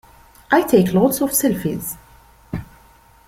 I take loads of selfies.